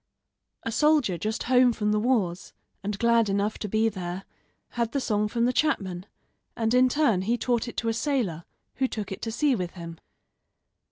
[Footnote 5: A peddler.] A soldier just home from the wars, and glad enough to be there, had the song from the chapman; and in turn he taught it to a sailor who took it to sea with him.